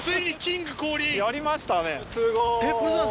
やりましたね！